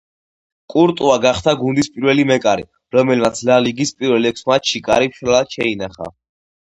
კურტუა გახდა გუნდის პირველი მეკარე, რომელმაც ლა ლიგის პირველ ექვს მატჩში კარი მშრალად შეინახა.